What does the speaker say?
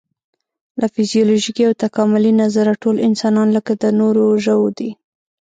له فزیولوژیکي او تکاملي نظره ټول انسانان لکه د نورو ژوو دي.